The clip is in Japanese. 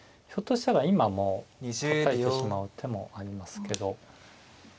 ひょっとしたら今もうたたいてしまう手もありますけど。